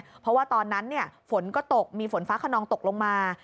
เพราะว่าตอนนั้นฝนก็ตกมีฝนฟ้าขนองตกลงมา